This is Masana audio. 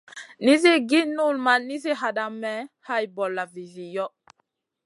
Nizi gi null ma nizi hadamèh hay bolla vizi yoh.